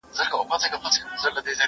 زه پرون مېوې وخوړه؟